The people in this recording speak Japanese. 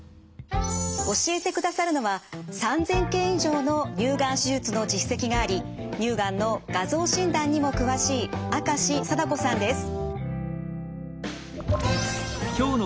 教えてくださるのは３，０００件以上の乳がん手術の実績があり乳がんの画像診断にも詳しい明石定子さんです。